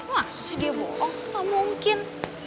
masa sih dia bohong gak mungkin